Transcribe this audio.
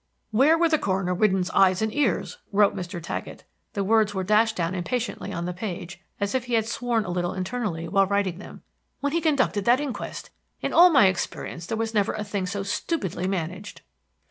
"Where were Coroner Whidden's eyes and ears," wrote Mr. Taggett, the words were dashed down impatiently on the page, as if he had sworn a little internally while writing them, "when he conducted that inquest! In all my experience there was never a thing so stupidly managed."